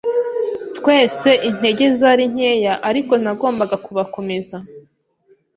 twese intege zari nkeya ariko nagombaga kubakomeza